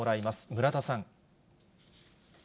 村田さん。